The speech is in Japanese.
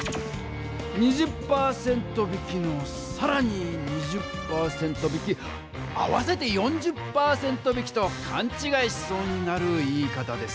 「２０％引きのさらに２０％引き」合わせて４０％引きとかんちがいしそうになる言い方です。